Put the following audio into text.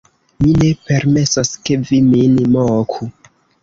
mi ne permesos, ke vi min moku!